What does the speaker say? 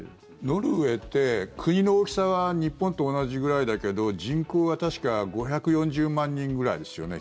ノルウェーって国の大きさは日本と同じぐらいだけど、人口は確か５４０万人ぐらいですよね。